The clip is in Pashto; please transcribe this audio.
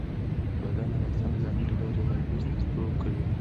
بادام د افغانستان د ځانګړي ډول جغرافیې استازیتوب کوي.